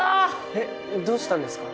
えっどうしたんですか？